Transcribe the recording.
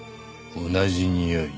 同じにおい？